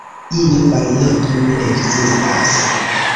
Ina varianto ne ekzistas.